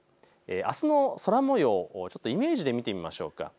あすの空もようをイメージで見てみましょう。